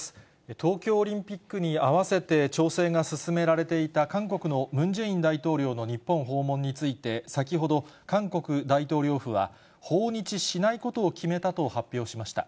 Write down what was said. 東京オリンピックに合わせて調整が進められていた、韓国のムン・ジェイン大統領の日本訪問について先ほど、韓国大統領府は、訪日しないことを決めたと発表しました。